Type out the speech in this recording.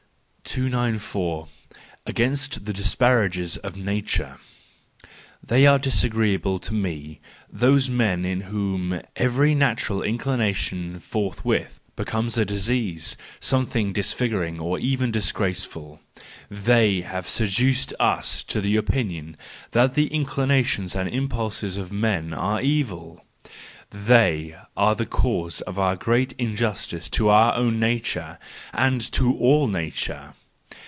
294. Against the Disparagers of Nature. —They are disagreeable to me, those men in whom every natural inclination forthwith becomes a disease, something disfiguring, or even disgraceful. They have seduced us to the opinion that the inclinations and impulses of men are evil; they are the cause of our great injustice to our own nature, and to all nature!